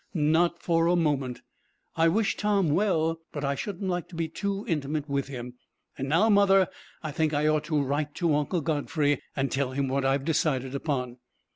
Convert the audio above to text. "Not for a moment. I wish Tom well, but I shouldn't like to be too intimate with him. And now, mother, I think I ought to write to Uncle Godfrey, and tell him what I have decided upon."